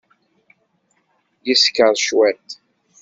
Yeskeṛ cwiṭ.